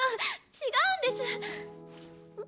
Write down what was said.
違うんです。